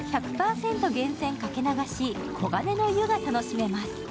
源泉かけ流し黄金の湯が楽しめます。